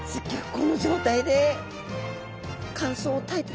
この状態で乾燥を耐えてたんですね。